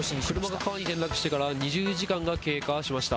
車が川に転落してから２０時間以上が経過しました。